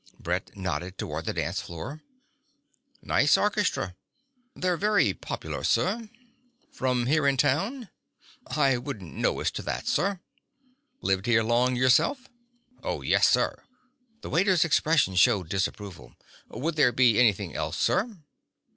Brett nodded toward the dance floor. "Nice orchestra." "They're very popular, sir." "From here in town?" "I wouldn't know as to that, sir." "Lived here long yourself?" "Oh, yes, sir." The waiter's expression showed disapproval. "Would there be anything else, sir?"